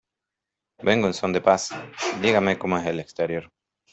Vengo en son de paz. Dígame como es el exterior .